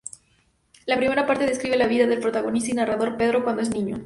La primera parte describe la vida del protagonista y narrador, Pedro, cuando es niño.